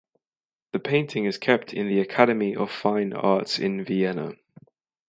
The painting is kept in the Academy of Fine Arts in Vienna.